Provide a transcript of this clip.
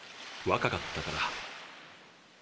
若かったから。